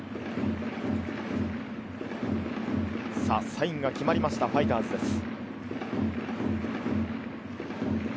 サインが決まりました、ファイターズです。